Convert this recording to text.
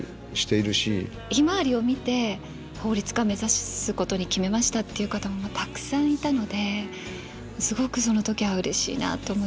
「ひまわり」を見て法律家目指すことに決めましたっていう方もたくさんいたのですごくその時はうれしいなって思いました。